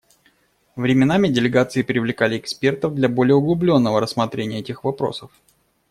Временами делегации привлекали экспертов для более углубленного рассмотрения этих вопросов.